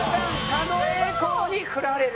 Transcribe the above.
狩野英孝にフラれる。